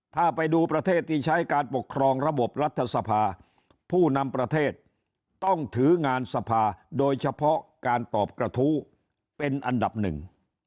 ถ้าไปดูประเทศที่ใช้การปกครองระบบรัฐสภาผู้นำประเทศต้องถืองานสภาโดยเฉพาะการตอบกระทู้เป็นอันดับหนึ่ง